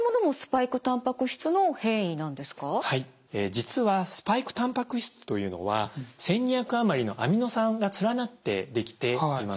実はスパイクたんぱく質というのは１，２００余りのアミノ酸が連なってできています。